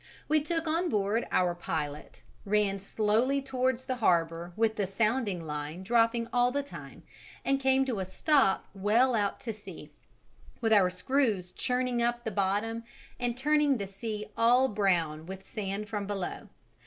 We took on board our pilot, ran slowly towards the harbour with the sounding line dropping all the time, and came to a stop well out to sea, with our screws churning up the bottom and turning the sea all brown with sand from below.